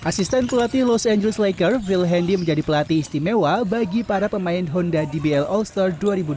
asisten pelatih los angeles laker phil handy menjadi pelatih istimewa bagi para pemain honda dbl all star dua ribu dua puluh